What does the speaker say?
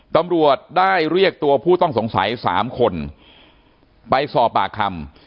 ตำรวจได้เรียกตัวผู้ต้องสงสัย๓คนไปสอบปากคำ